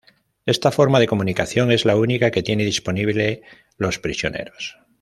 Esta forma de comunicación es la única que tienen disponible los prisioneros.